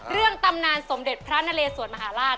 เรื่องตำนานสมเด็จพระนเรสวจมหลาด